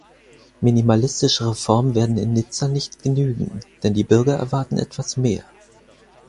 Minimalistische Reformen werden in Nizza nicht genügen, denn die Bürger erwarten etwas mehr.